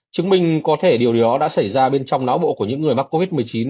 chứng minh có thể điều đó đã xảy ra bên trong não bộ của những người mắc covid một mươi chín